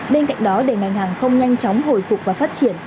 bên cạnh đó để ngành hàng không nhanh chóng hồi phục và phát triển